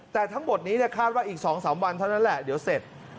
แต่ทั้งหมดนี้คาดว่าอีก๒๓วันเท่านั้นแหละเดี๋ยวเสร็จ